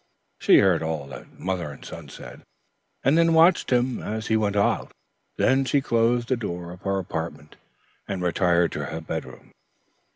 She heard all that mother and son said, and then watched him as he went out. Then she closed the door of her apartment and retired to her bedroom.